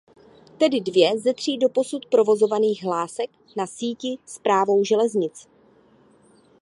Tedy dvě ze tří dosud provozovaných hlásek na síti Správou železnic.